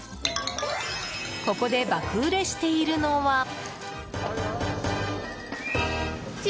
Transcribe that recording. ここで爆売れしているのは。